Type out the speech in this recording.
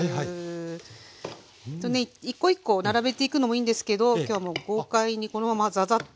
一個一個並べていくのもいいんですけど今日はもう豪快にこのままザザッと。